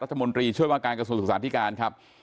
รัฐมนตรีช่วยว่าการกระทรวงศึกษาธิการครับ